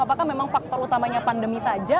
apakah memang faktor utamanya pandemi saja